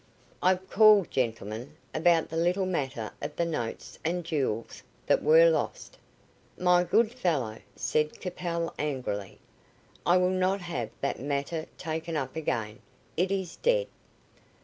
"I've called, gentlemen, about that little matter of the notes and jewels that were lost." "My good fellow," said Capel, angrily, "I will not have that matter taken up again. It is dead."